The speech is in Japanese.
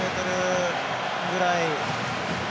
２０ｍぐらい。